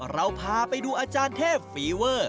เราพาไปดูอาจารย์เทพฟีเวอร์